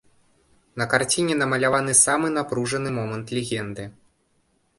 На карціне намаляваны самы напружаны момант легенды.